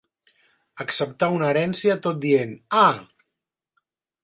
Acceptar una herència tot dient: ah!